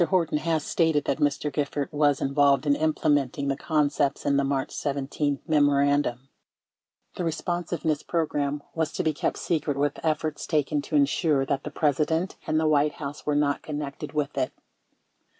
Horton has stated that Mr. Gifford was involved in implementing the concepts in the March 17 memorandum. The Responsiveness Program was to be kept secret with efforts taken to insure that the President and the White House were not connected with it.